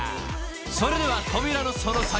［それでは扉のその先へ］